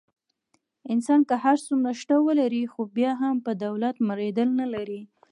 انسان که هر څومره شته ولري. خو بیا هم په دولت مړېدل نه لري.